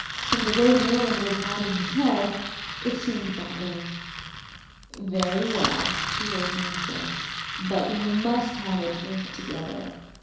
From the way Merlin was nodding his head it seemed that way. "Very well," the old man said. "But we must have a drink together."